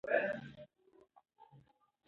هغې وايي اټکلي سیستم ماشومانو ته مرسته ورکوي.